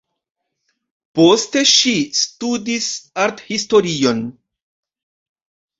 Poste ŝi studis arthistorion.